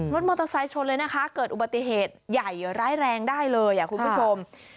รถมอเตอร์ไซค์ชนเลยนะคะเกิดอุบัติเหตุใหญ่ร้ายแรงได้เลยคุณผู้ชม